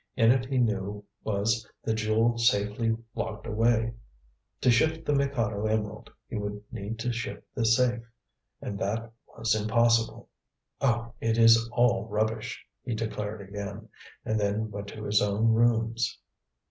In it he knew was the jewel safely locked away. To shift the Mikado emerald he would need to shift the safe, and that was impossible. "Oh, it is all rubbish!" he declared again, and then went to his own rooms.